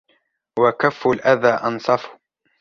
وَكَفَّ الْأَذَى أَنْصَفُ